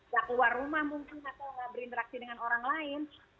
gak keluar rumah mungkin atau nggak berinteraksi dengan orang lain